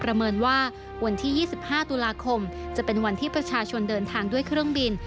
เมินว่าวันที่๒๕ตุลาคมจะเป็นวันที่ประชาชนเดินทางด้วยเครื่องบิน